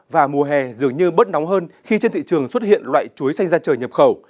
và mùa hè dường như bớt nóng hơn khi trên thị trường xuất hiện loại chuối xanh ra trời nhập khẩu